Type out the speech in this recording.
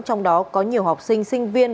trong đó có nhiều học sinh sinh viên